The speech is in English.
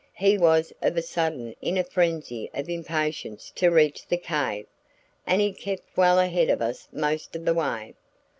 He was of a sudden in a frenzy of impatience to reach the cave, and he kept well ahead of us most of the way.